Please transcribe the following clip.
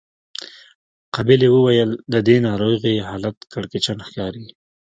قابلې وويل د دې ناروغې حالت کړکېچن ښکاري.